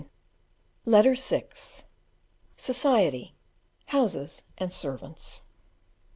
Letter VI: Society. houses and servants.